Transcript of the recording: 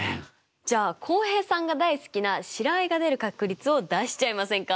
じゃあ浩平さんが大好きな白あえが出る確率を出しちゃいませんか？